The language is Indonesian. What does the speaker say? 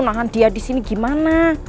nahan dia di sini gimana